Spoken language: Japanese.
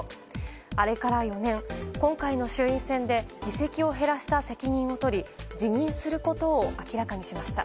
あれから４年、今回の衆院選で議席を減らした責任を取り辞任することを明らかにしました。